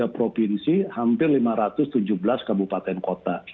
tiga provinsi hampir lima ratus tujuh belas kabupaten kota